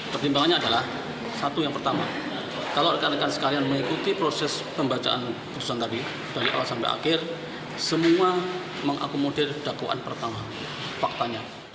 pertimbangannya adalah satu yang pertama kalau rekan rekan sekalian mengikuti proses pembacaan putusan tadi dari awal sampai akhir semua mengakomodir dakwaan pertama faktanya